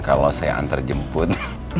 kalau saya antar jemput